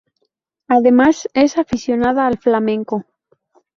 Además, es aficionada al flamenco.